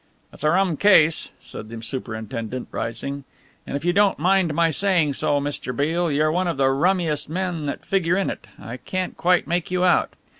"It's a rum case," said the superintendent, rising, "and if you don't mind my saying so, Mr. Beale, you're one of the rummiest men that figure in it. I can't quite make you out.